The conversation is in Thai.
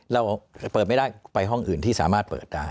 เราเปิดไม่ได้ไปห้องอื่นที่สามารถเปิดได้